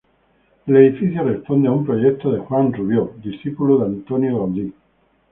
El edificio responde a un proyecto de Juan Rubió, discípulo de Antonio Gaudí.